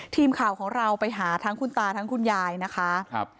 ทีมข่าวของเราไปหาทั้งคุณตาทั้งคุณยายนะคะครับ